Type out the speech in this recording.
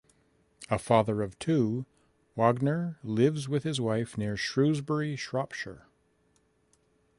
A father of two, Wagner lives with his wife near Shrewsbury, Shropshire.